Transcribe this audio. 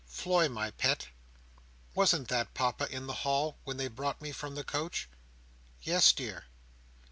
"Floy, my pet, wasn't that Papa in the hall, when they brought me from the coach?" "Yes, dear."